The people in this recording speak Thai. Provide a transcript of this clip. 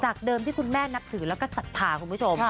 เดิมที่คุณแม่นับถือแล้วก็ศรัทธาคุณผู้ชม